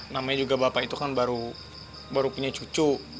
namanya juga bapak itu kan baru punya cucu